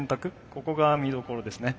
ここが見どころですね。